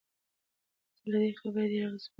زه له دې خبرې ډېر اغېزمن شوم.